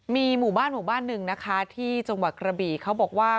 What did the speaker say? มีหมู่บ้านหมู่บ้านหนึ่งนะคะที่จังหวัดกระบี่เขาบอกว่า